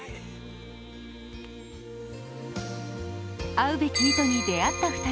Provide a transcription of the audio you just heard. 逢うべき糸に出会った２人。